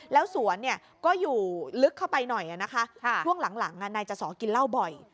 แล้วสวนก็อยู่ลึกเข้าไปหน่อยนะคะช่วงหลังนายจสอกินเหล้าบ่อย